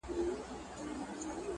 هم خوشال یې مور او پلار وه هم یې وړونه,